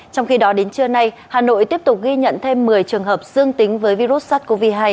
trong khi đó đến trưa nay hà nội tiếp tục ghi nhận thêm một mươi trường hợp dương tính với virus sars cov hai